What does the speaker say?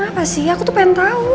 kenapa sih aku tuh pengen tau